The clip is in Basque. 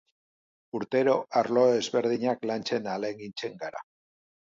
Urtero arlo ezberdinak lantzen ahalegintzen gara